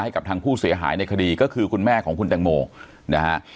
ให้กับทางผู้เสียหายในคดีก็คือคุณแม่ของคุณแตงโมนะฮะ